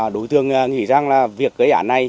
đối tượng nghĩ rằng là việc gây án này